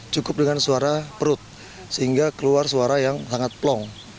cukup dengan suara perut sehingga keluar suara yang sangat plong